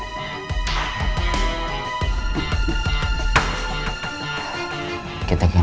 ibu suruh tinggal di sini